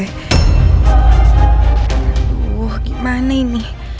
aduh gimana ini